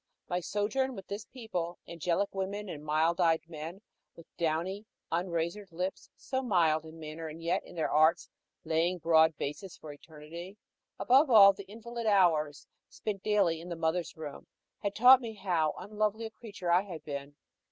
My sojourn with this people angelic women and mild eyed men with downy, unrazored lips, so mild in manner yet in their arts "laying broad bases for eternity" above all the invalid hours spent daily in the Mother's Room, had taught me how unlovely a creature I had been.